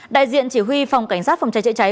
đại diện chỉ huy phòng cảnh sát phòng cháy chữa cháy